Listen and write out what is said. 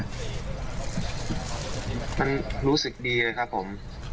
รู้สึกดีเลยครับผม